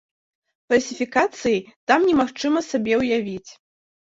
Фальсіфікацыі там немагчыма сабе ўявіць.